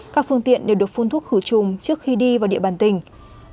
các phương tiện đều được phun thuốc khử trùng trước khi đi vào địa bàn tỉnh